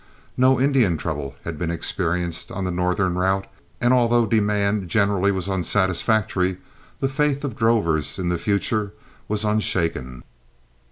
No Indian trouble had been experienced on the northern route, and although demand generally was unsatisfactory, the faith of drovers in the future was unshaken.